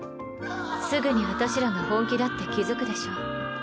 すぐに私らが本気だって気付くでしょ。